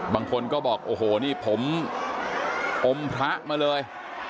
บางคนก็บอกโอ้โหนี่ผมอมพระมาเลย